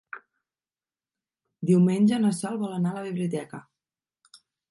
Diumenge na Sol vol anar a la biblioteca.